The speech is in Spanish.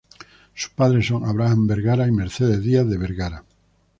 Sus padres son Abraham Vergara y Mercedes Díaz de Vergara.